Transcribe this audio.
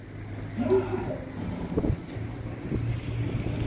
もう一つある。